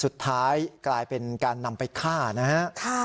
สุดท้ายกลายเป็นการนำไปฆ่านะฮะ